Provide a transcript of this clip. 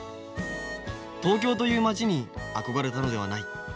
東京という街に憧れたのではない。